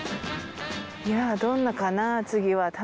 いやどんなのかな次は。